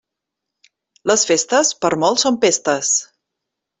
Les festes, per a molts són pestes.